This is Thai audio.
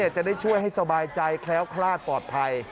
จะได้ช่วยให้สบายใจแคล้วคลาดปลอดภัย